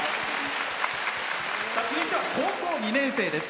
続いては高校２年生です。